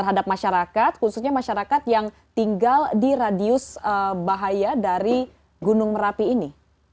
terhadap masyarakat khususnya masyarakat yang tinggal di radius bahaya dari gunung merapi ini